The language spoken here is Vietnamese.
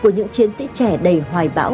của những chiến sĩ trẻ đầy hoài bão